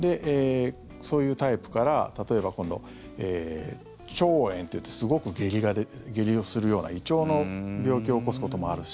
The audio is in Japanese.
そういうタイプから例えば今度、腸炎といってすごく下痢をするような胃腸の病気を起こすこともあるし